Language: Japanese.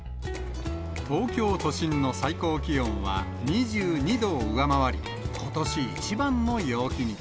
東京都心の最高気温は２２度を上回り、ことし一番の陽気に。